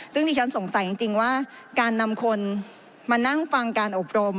ซึ่งที่ฉันสงสัยจริงว่าการนำคนมานั่งฟังการอบรม